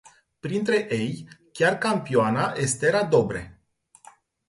Printre ei chiar campioana Estera Dobre.